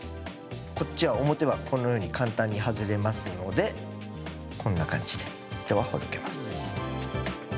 こっちは表はこのように簡単に外れますのでこんな感じで糸はほどけます。